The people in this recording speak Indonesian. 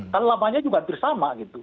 kan lamanya juga hampir sama